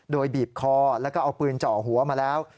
โดยบีบคอแล้วก็เอาปืนเจาะหัวมาแล้ว